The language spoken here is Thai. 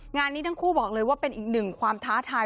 งานนี้ทั้งคู่บอกเลยว่าเป็นอีกหนึ่งความท้าทาย